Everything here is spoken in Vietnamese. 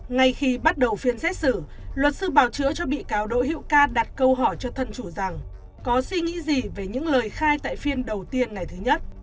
ngay khi bắt đầu phiên xét xử luật sư bảo chữa cho bị cáo đỗ hữu ca đặt câu hỏi cho thân chủ rằng có suy nghĩ gì về những lời khai tại phiên đầu tiên ngày thứ nhất